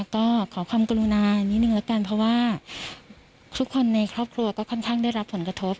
ก็ขอความกรุณานิดนึงละกันเพราะว่าทุกคนในครอบครัวก็ค่อนข้างได้รับผลกระทบ